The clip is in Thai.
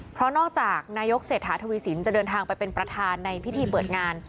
เพราะนอกจากนายกเศรษฐาทวีสินจะเดินทางไปเป็นประธานในพิธีเปิดงาน